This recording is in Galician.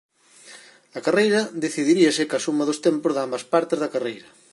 A carreira decidiríase coa suma dos tempos de ambas partes da carreira.